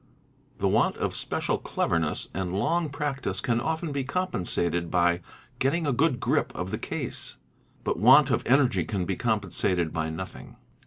The want of special cleverness and long practice can often be compensated by getting a good grip of the case, but want of energy can be compensated by nothing.